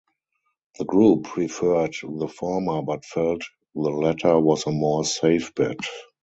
The group preferred the former but felt the latter was a more safe bet.